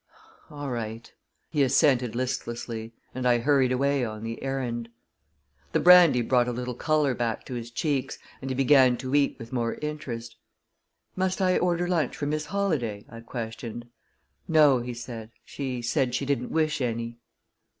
"All right," he assented listlessly, and I hurried away on the errand. The brandy brought a little color back to his cheeks, and he began to eat with more interest. "Must I order lunch for Miss Holladay?" I questioned. "No," he said. "She said she didn't wish any."